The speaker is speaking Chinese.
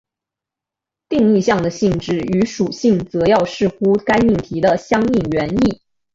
定义项的性质与属性则要视乎该命题的相应原意。